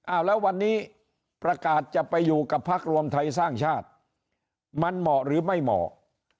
อ้าวแล้ววันนี้ประกาศจะไปอยู่กับพักรวมไทยสร้างชาติมันเหมาะหรือไม่เหมาะ